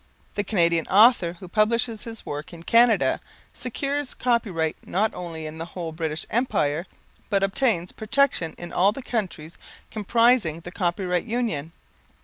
The Canadian author who publishes his work in Canada secures copyright not only in the whole British Empire, but obtains protection in all the countries comprising the Copyright Union.